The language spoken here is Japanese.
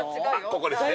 ここですね